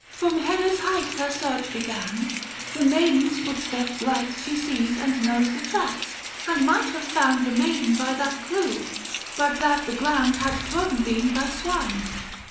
From Henna's height 515 Her search began : the maiden's footstep light She sees and knows and tracks, and might have found The maiden by that clue, but that the ground Had trodden been by swine.